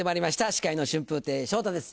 司会の春風亭昇太です